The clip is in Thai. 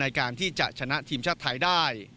ในการที่จะชนะทีมชาติไทยได้